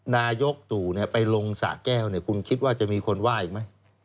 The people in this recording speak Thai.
นายกตู่ไปลงสะแก้วคุณคิดว่าจะมีคนไหว้อีกไหม